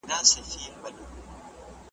د میني کور وو د فتح او د رابیا کلی دی ,